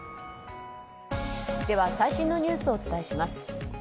では最新のニュースをお伝えします。